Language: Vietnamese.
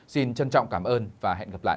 xin trân trọng cảm ơn và hẹn gặp lại